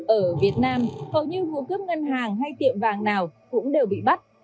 ở việt nam hầu như vụ cướp ngân hàng hay tiệm vàng nào cũng đều bị bắt